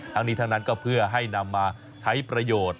ทั้งนี้ทั้งนั้นก็เพื่อให้นำมาใช้ประโยชน์